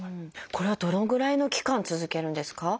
これはどのぐらいの期間続けるんですか？